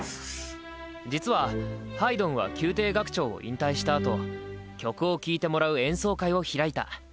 実はハイドンは宮廷楽長を引退したあと曲を聴いてもらう演奏会を開いた。